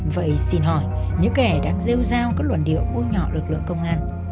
vậy xin hỏi những kẻ đang rêu rao các luận điệu bôi nhọ lực lượng công an